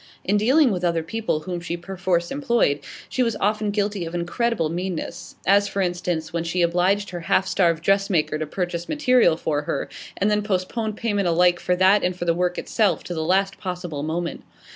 In dealings with other people whom she perforce employed, she was often guilty of incredible meanness; as, for instance, when she obliged her half starved dressmaker to purchase material for her, and then postponed payment alike for that and for the work itself to the last possible moment.